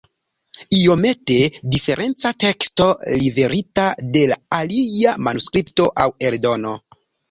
Iomete diferenca teksto, liverita de alia manuskripto aŭ eldono.